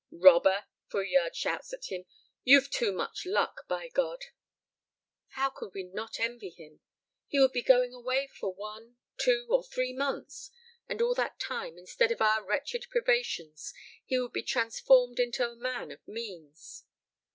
"Robber!" Feuillade shouts at him. "You've too much luck, by God!" How could we not envy him? He would be going away for one, two, or three months; and all that time, instead of our wretched privations, he would be transformed into a man of means!